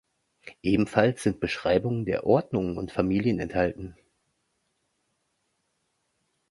Ebenfalls sind Beschreibungen der Ordnungen und Familien enthalten.